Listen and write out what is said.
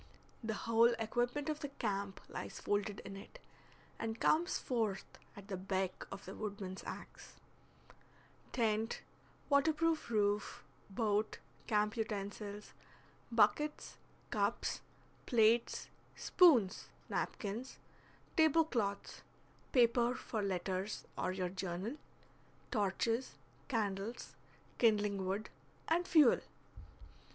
The whole equipment of the camp lies folded in it, and comes forth at the beck of the woodman's axe; tent, waterproof roof, boat, camp utensils, buckets, cups, plates, spoons, napkins, table cloths, paper for letters or your journal, torches, candles, kindling wood, and fuel.